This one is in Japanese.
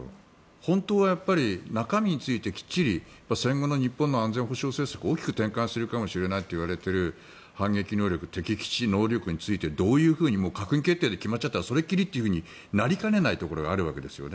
本当は中身についてきっちり戦後の日本の安全保障政策大きく転換するかもしれないといわれている反撃能力敵基地攻撃能力についてどういうふうにもう閣議決定で決まっちゃったらそれっきりとなりかねないところがあるわけですよね。